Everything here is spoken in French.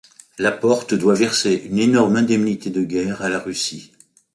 La Porte doit verser une énorme indemnité de guerre à la Russie.